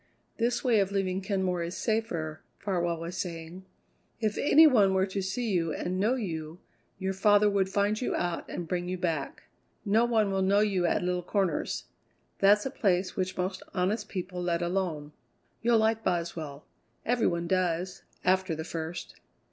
"This way of leaving Kenmore is safer," Farwell was saying. "If any one were to see you and know you, your father would find you out and bring you back. No one will know you at Little Corners. That's a place which most honest people let alone. You'll like Boswell every one does after the first.